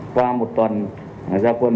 qua một tuần giao quân